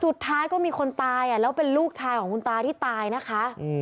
สุดท้ายก็มีคนตายแล้วเป็นลูกชายของคุณตาที่ตายนะคะ